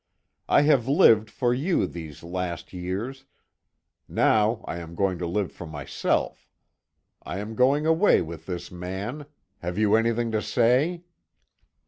I have lived for you these last years now I am going to live for myself. I am going away with this man. Have you anything to say?"